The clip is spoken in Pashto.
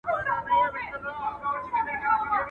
هم غم، هم غمور.